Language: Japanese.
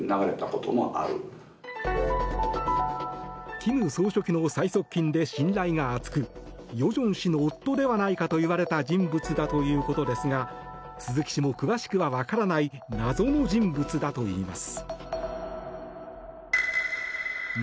金総書記の最側近で信頼が厚く与正氏の夫ではないかといわれた人物だということですが鈴木氏も詳しくは分からない謎の人物だといいます。